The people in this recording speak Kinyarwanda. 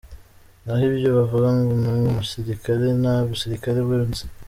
Naho ibyo bavuga ngo ni umusirikare, nta busirikare bwe nzi.